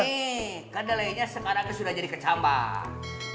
nih kandale nya sekarang ini sudah jadi kecambang